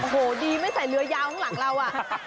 โอ้โหดีไม่ใส่เรือยาวข้างหลังเราอ่ะ